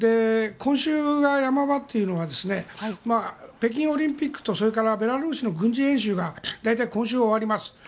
今週が山場というのが北京オリンピックとそれからベラルーシの軍事演習が大体、今週終わります。